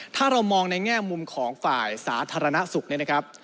ถ้าเรามองในแง่มุมของฝ่ายสาธารณสุขเนี่ยนะครับ